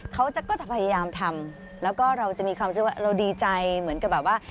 เขาก็จะพยายามทำแล้วก็เราจะมีความรู้สึกว่าเราดีใจเหมือนกับแบบว่า